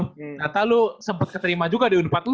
ternyata lo sempet keterima juga di unpat lo